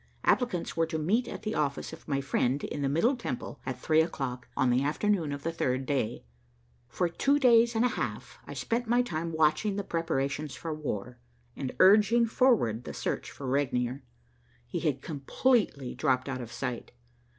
Applicants were to meet at the office of my friend in the Middle Temple at three o'clock on the afternoon of the third day. For two days and a half I spent my time watching the preparations for war, and urging forward the search for Regnier. He had completely dropped out of sight.